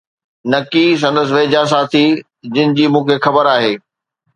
نڪي سندس ويجھا ساٿي، جن جي مون کي خبر آھي.